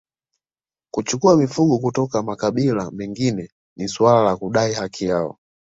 Kuchukua mifugo kutoka makabila mengine ni suala la kudai haki yao